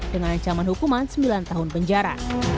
dengan ancaman hukuman sembilan tahun penjara